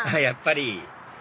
やっぱり！